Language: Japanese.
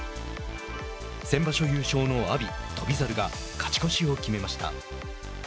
先場所優勝の阿炎、翔猿が勝ち越しを決めました。